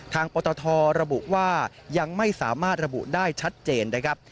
ปตทระบุว่ายังไม่สามารถระบุได้ชัดเจนนะครับ